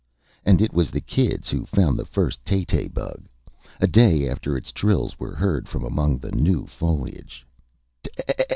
And it was the kids who found the first "tay tay bug," a day after its trills were heard from among the new foliage.